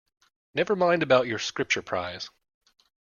Never mind about your Scripture prize.